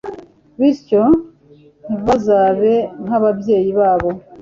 bityo ntibazabe nk’ababyeyi babo